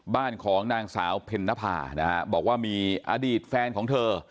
บ้านของนางสาวเพ็ญนภานะฮะบอกว่ามีอดีตแฟนของเธอ